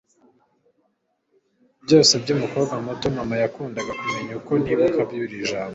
byose byumukobwa muto mama yakundaga kumenya, uko nibuka buri jambo